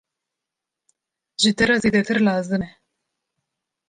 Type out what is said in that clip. Ji te re zêdetir lazim e!